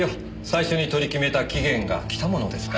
最初に取り決めた期限が来たものですから。